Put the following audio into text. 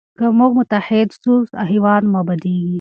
که موږ متحد سو هېواد مو ابادیږي.